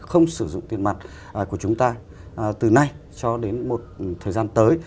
không sử dụng tiền mặt của chúng ta từ nay cho đến một thời gian tới